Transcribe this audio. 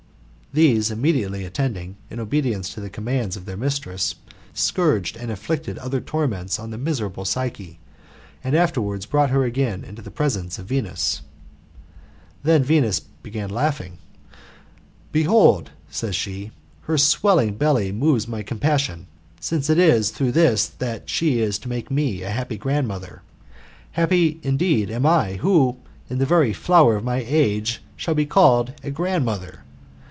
These immediately attending, in obedience to the commands of their mistress, scourged and inflicted other torments on the miserable Psyche, and afterwards brought her again into the presence of Venus. Then Venusy again laughing: *' Behold, said she, ''her swelling belly moves my compassion, since it is through this that she is to make me a happy grandmother. Happy, indeed, am I, who, in the very flower of my age, shall be called a grandmother